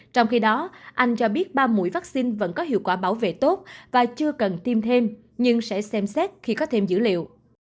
trong khi đó anh cho biết ba mũi vaccine vẫn có hiệu quả bảo vệ tốt và chưa cần tiêm thêm nhưng sẽ xem xét khi có thêm dữ liệu